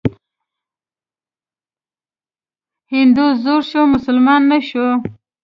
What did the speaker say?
هندو زوړ شو، مسلمان نه شو.